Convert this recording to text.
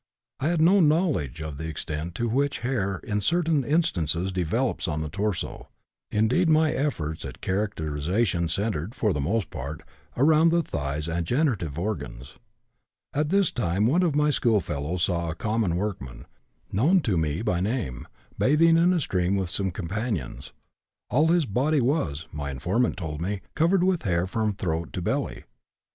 I had no knowledge of the extent to which hair in certain instances develops on the torso; indeed, my efforts at characterization centered, for the most part, around the thighs and generative organs. At this time one of my schoolfellows saw a common workman, known to me by name, bathing in a stream with some companions; all his body was, my informant told me, covered with hair from throat to belly.